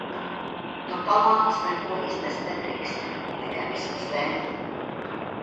No palātas neko iznest nedrīkst, tikai miskastē.